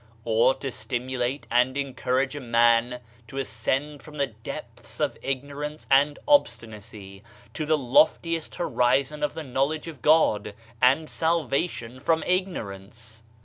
Or to stimulate and encourage a man to ascend from the depths of ignorance and obstinacy to the loftiest horizon of the knowledge of God, and salvation from ignorance?